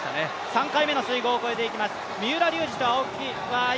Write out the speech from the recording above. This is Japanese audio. ３回目の水濠を越えています